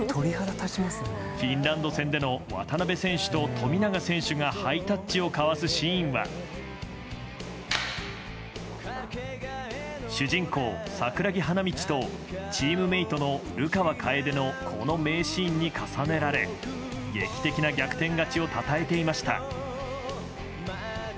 フィンランド戦での渡邊選手と富永選手がハイタッチを交わすシーンは主人公・桜木花道とチームメートの流川楓のこの名シーンに重ねられ劇的な逆転勝ちをたたえていました。